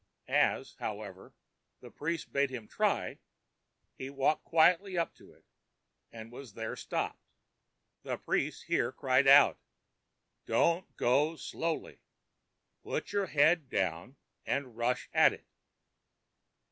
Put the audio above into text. As, however, the priest bade him try, he walked quietly up to it and was there stopped. The priest here called out, ãDonãt go so slowly. Put your head down and rush at it.